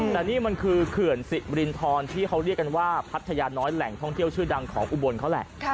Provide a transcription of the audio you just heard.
แต่นี่มันคือเขื่อนสิมรินทรที่เขาเรียกกันว่าพัทยาน้อยแหล่งท่องเที่ยวชื่อดังของอุบลเขาแหละ